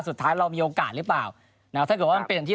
สุดท้ายเรามีโอกาสหรือเปล่านะถ้าเกิดว่ามันเป็นอย่างที่